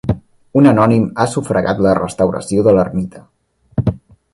Un anònim ha sufragat la restauració de l'ermita.